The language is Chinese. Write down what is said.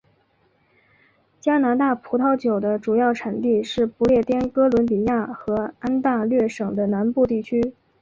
加拿大葡萄酒的主要产地是不列颠哥伦比亚和安大略省的南部地区。